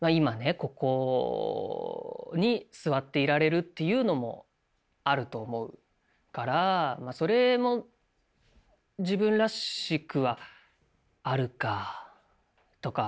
ここに座っていられるっていうのもあると思うからそれも自分らしくはあるかとか。